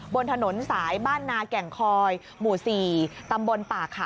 บนถนนสายบ้านนาแก่งคอยหมู่๔ตำบลป่าขา